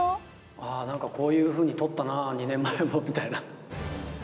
ああ、なんかこういうふうに撮ったなぁ、２年前も、みたいな。